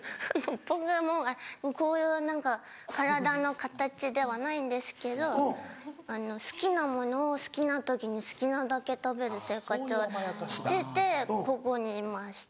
僕こういう何か体の形ではないんですけど好きな物を好きな時に好きなだけ食べる生活をしててここにいました。